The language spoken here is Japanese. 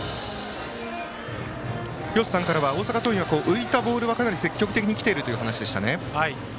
廣瀬さんからは大阪桐蔭は浮いたボールはかなり積極的に来ているという話でした。